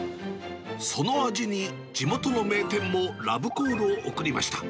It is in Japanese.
その味に地元の名店もラブコールを送りました。